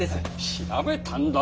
調べたんだぞ！